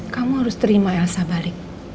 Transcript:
kamu harus terima elsa balik